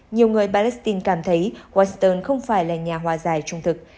nhiều người palestine cảm thấy washington không phải là nhà hòa giải trung thực